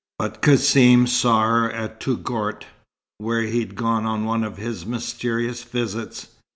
But Cassim saw her at Touggourt, where he'd gone on one of his mysterious visits.